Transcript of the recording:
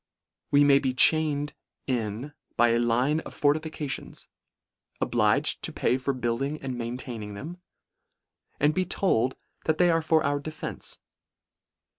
We may be chained in by a line of fortifications : obliged to pay for building and maintaining them ; and be told that they are for our defence.